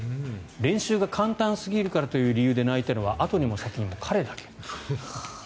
練習が簡単すぎるからという理由で泣いたのは後にも先にも彼だけ。